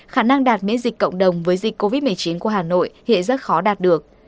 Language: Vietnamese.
khả năng đạt miễn dịch cộng đồng với dịch covid một mươi chín của hà nội hiện rất khó đạt được